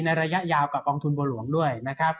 ระยะยาวกับกองทุนบัวหลวงด้วยนะครับ